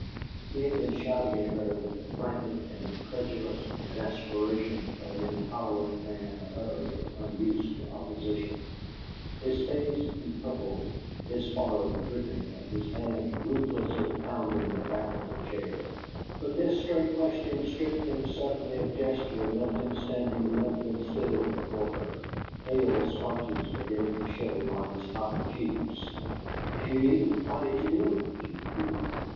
He had been shouting at her with the frantic and incredulous exasperation of an intolerant man utterly unused to opposition; his face empurpled, his forehead dripping, and his hands ruthlessly pounding the back of the chair; but this straight question stripped him suddenly of gesture and left him standing limp and still before her, pale splotches beginning to show on his hot cheeks. "If you knew, why did you do it?" she repeated.